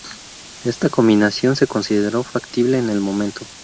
Esta combinación se consideró factible en el momento.